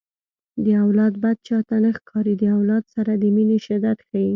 د اولاد بد چاته نه ښکاري د اولاد سره د مینې شدت ښيي